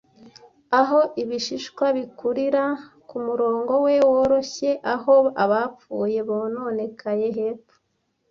Aho ibishishwa bikurira kumurongo we woroshye, aho abapfuye bononekaye hepfo;